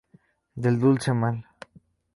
Del dulce mal.